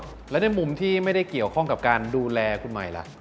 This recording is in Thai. กำลังของกับการดูแลคุณหมายล่ะ